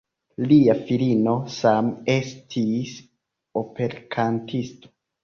Lia filino same estis operkantisto.